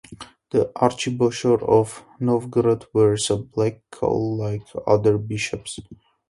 The archbishop of Novgorod wears a black cowl like other bishops.